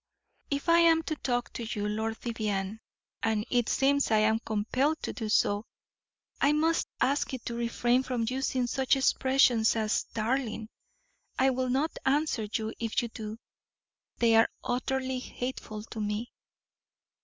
"If I am to talk to you, Lord Vivianne, and it seems I am compelled to do so, I must ask you to refrain from using such expressions as 'darling.' I will not answer you if you do: they are utterly hateful to me."